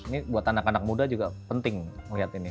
ini buat anak anak muda juga penting melihat ini